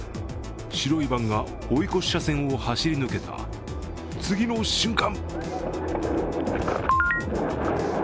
白いバンが追い越し車線を走り抜けた次の瞬間